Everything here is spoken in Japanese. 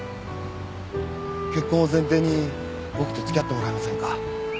結婚を前提に僕と付き合ってもらえませんか？